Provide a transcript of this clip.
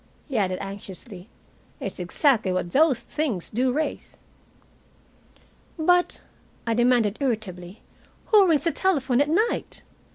he added anxiously. "It's exactly what those things do raise." "But," I demanded irritably, "who rings the telephone at night?